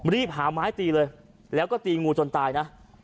รีบหาไม้ตีเลยแล้วก็ตีงูจนตายนะ